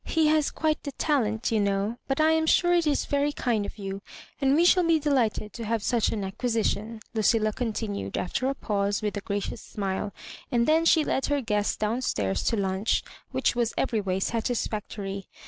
He has quite a talent, you know ; but I am sure it Digitized by VjOOQIC lass UABJORIBANES. 93 is very kind of J0U| and we shall be delighted to have such an acquisition," Lucilla continued, after a pause, with a gracious smile ; and then she led her guests down stairs to lunch, which was every way satisfactory.